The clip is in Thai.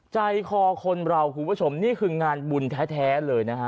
ใจคอคนเราคุณผู้ชมนี่คืองานบุญแท้เลยนะฮะ